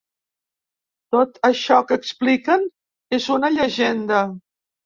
Tot això que expliquen és una llegenda.